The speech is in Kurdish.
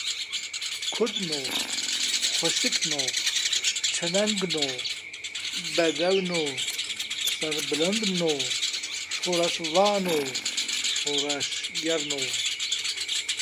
Kurdno! Xweşikno! Çelengno! Bedewno! Serbilindno! Şoreşvanno! Şoreşgerno!